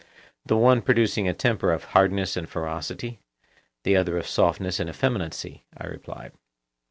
The one producing a temper of hardness and ferocity, the other of softness and effeminacy, I replied.